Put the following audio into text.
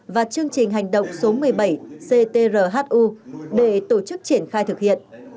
và chương trình hành động số một mươi bảy ctrhu để tổ chức triển khai thực hiện